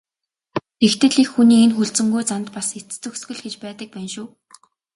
Тэгтэл эх хүний энэ хүлцэнгүй занд бас эцэс төгсгөл гэж байдаг байна шүү.